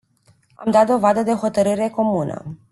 Am dat dovadă de hotărâre comună.